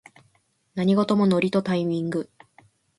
何事もノリとタイミング